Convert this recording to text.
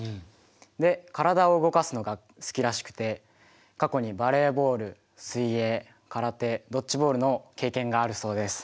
で体を動かすのが好きらしくて過去にバレーボール水泳空手ドッジボールの経験があるそうです。